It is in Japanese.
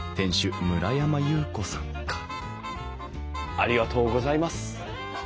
ありがとうございます。